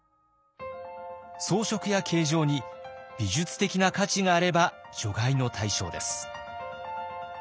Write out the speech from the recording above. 装飾や形状に美術的な価値があれば除外の対象です。